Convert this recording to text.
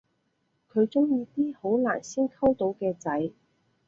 佢鍾意啲好難先溝到嘅仔